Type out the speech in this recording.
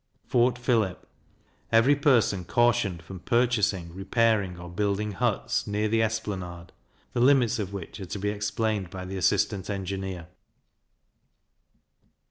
Fort Philip. Every person cautioned from purchasing, repairing, or building huts, near the Esplanade, the limits of which are to be explained by the assistant engineer.